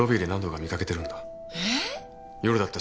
えっ！？